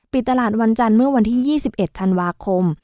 ปิดตลาดวันจันทร์เมื่อวันที่๒๑ธันวาคม